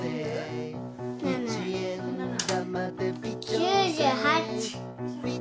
９８。